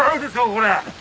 これ。